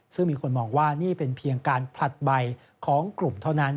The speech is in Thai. ซึ่งมีคนมองว่านี่เป็นเพียงการผลัดใบของกลุ่มเท่านั้น